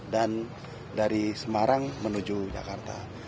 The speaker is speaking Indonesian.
dan dari semarang menuju jakarta